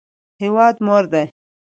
هیواد مور ده